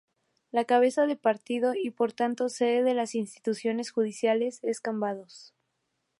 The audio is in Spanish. La cabeza de partido y por tanto sede de las instituciones judiciales es Cambados.